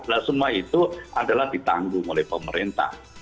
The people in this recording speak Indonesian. nah semua itu adalah ditanggung oleh pemerintah